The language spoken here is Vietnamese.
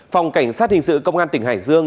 phòng cảnh sát hình sự công an tỉnh hải dương